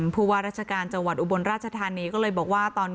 ภูวาราชการจังหวัดอุบลราชภัณฑ์นี้ก็เลยบอกว่า